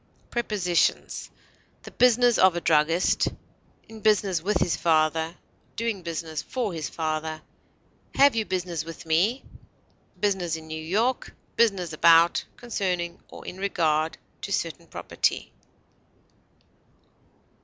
Prepositions: The business of a druggist; in business with his father; doing business for his father; have you business with me? business in New York; business about, concerning, or in regard to certain property.